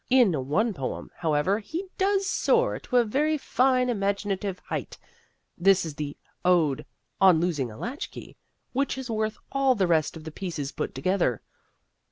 In one poem, however, he does soar to a very fine imaginative height. This is the ode "On Losing a Latchkey," which is worth all the rest of the pieces put together.